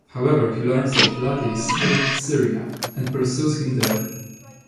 However, he learns that Vlady is heading to Syria, and pursues him there.